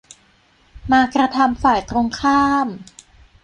มากระทำฝ่ายตรงข้าม